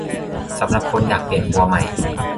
สำหรับคนอยากเปลี่ยนครัวใหม่